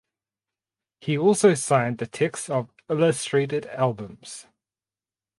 He also signed the text of illustrated albums.